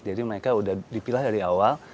jadi mereka sudah dipilah dari awal